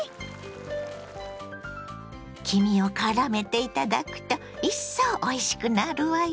黄身をからめていただくと一層おいしくなるわよ。